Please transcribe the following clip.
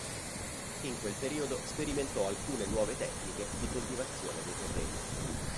In quel periodo sperimentò alcune nuove tecniche di coltivazione dei terreni.